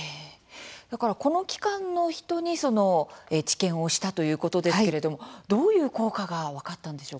だからこの期間の人に治験をしたということですけれども、どういう効果が分かったんでしょうか？